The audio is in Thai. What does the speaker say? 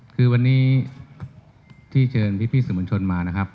คือวันนี้ที่เชิญพี่สื่อมวลชนมานะครับ